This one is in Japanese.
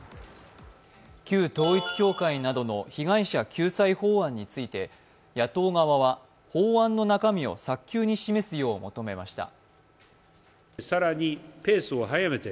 旧統一教会などの被害者救済法案について野党側は法案の中身を早急に示すよう求めました。